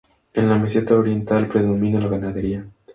En la meseta oriental predomina la ganadería.